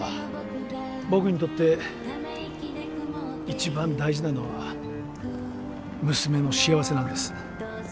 僕にとって一番大事なのは娘の幸せなんです。